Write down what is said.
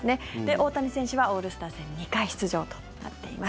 大谷選手はオールスター戦２回出場となっています。